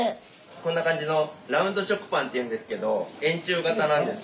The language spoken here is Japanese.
こんな感じのラウンド食パンっていうんですけど円柱形なんです。